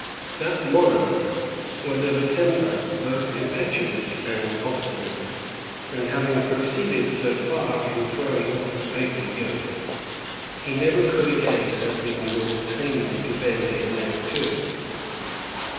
That monarch was of a temper both impetuous and obstinate; and having proceeded so far in throwing off the papal yoke, he never could again have been brought tamely to bend his neck to it.